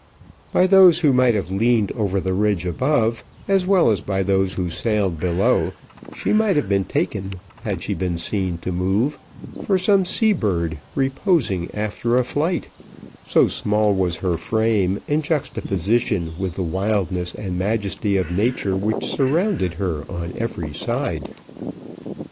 By those who might have leaned over the ridge above, as well as by those who sailed below, she might have been taken, had she been seen to move, for some sea bird reposing after a flight, so small was her frame in juxtaposition with the wildness and majesty of nature which surrounded her on every side.